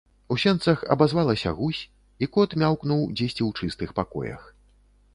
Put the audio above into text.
У сенцах абазвалася гусь, і кот мяўкнуў дзесьці ў чыстых пакоях.